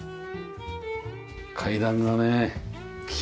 階段がね木。